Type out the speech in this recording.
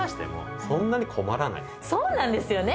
そうなんですよね。